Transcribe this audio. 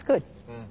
うん。